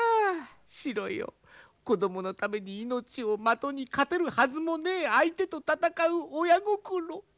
シロよ子どものために命を的に勝てるはずもねえ相手と戦う親心。